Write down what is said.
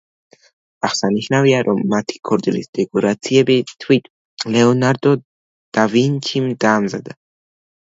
აღსანიშნავია, რომ მათი ქორწილის დეკორაციები თვით ლეონარდო და ვინჩიმ დაამზადა.